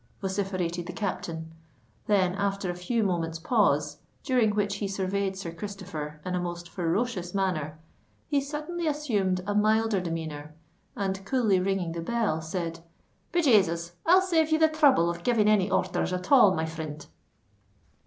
vociferated the captain: then, after a few moments' pause, during which he surveyed Sir Christopher in a most ferocious manner, he suddenly assumed a milder demeanour, and, coolly ringing the bell, said, "Be Jasus! I'll save ye the throuble of giving any orthers at all, my frind."